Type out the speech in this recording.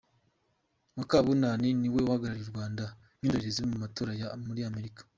Mukabunani ni we uhagarariye u Rwanda nk’indorerezi mu matora yo muri Amerika